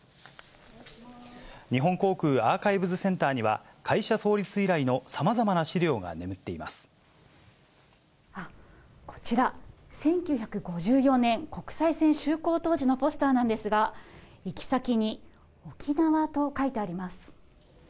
日本航空アーカイブズセンターには、会社創立以来のさまざまな資こちら、１９５４年、国際線就航当時のポスターなんですが、行き先に沖縄と書いてあります。